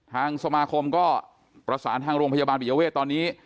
ทางสมาคมก็ประสานทางโรงพยาบาลปิยเวทตอนนี้